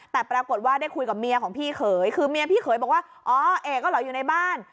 แต่ปรากฏว่าได้คุยกับเมียของพี่เขยคือเมียพี่เขยบอกว่าอ๋อเอกก็เหรออยู่ในบ้าน